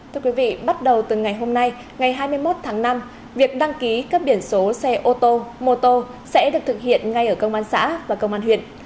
thưa quý vị bắt đầu từ ngày hôm nay ngày hai mươi một tháng năm việc đăng ký cấp biển số xe ô tô mô tô sẽ được thực hiện ngay ở công an xã và công an huyện